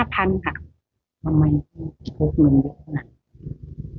ทำไมพี่ไม่โดนเงี้ย